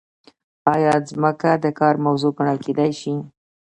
ایا ځمکه د کار موضوع ګڼل کیدای شي؟